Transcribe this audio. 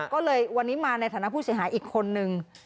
ก็เลยวันนี้มาในฐานะผู้เสียหายอีกคนนึง